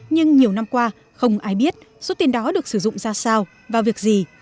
nhưng nhiều năm qua không ai biết số tiền đó được sử dụng ra sao vào việc gì